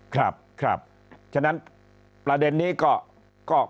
ครับครับฉะนั้นประเด็นนี้ก็